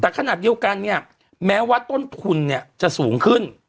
แต่ขนาดเดียวกันเนี่ยแม้ว่าต้นทุนเนี่ยจะสูงขึ้น